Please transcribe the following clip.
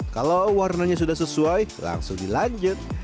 kalau warnanya sudah sesuai langsung dilanjut